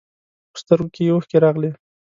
په سترګو کې یې اوښکې راغلې.